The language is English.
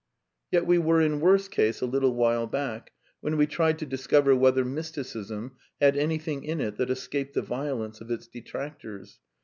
Yet we were in worse case a little while back, when we tried to discover whether Mysticism had anything in it that escaped the violence of its detractors.